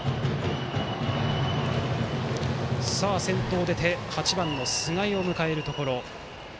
先頭が出て８番の菅井を迎えるところ。